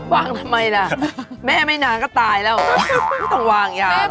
ทำไมล่ะแม่ไม่นานก็ตายแล้วไม่ต้องวางยา